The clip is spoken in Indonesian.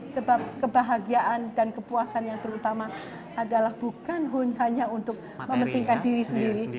sebab kebahagiaan dan kepuasan yang terutama adalah bukan hanya untuk mementingkan diri sendiri